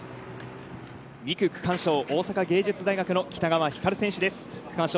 ２区区間賞大阪芸術大学の北川星瑠選手です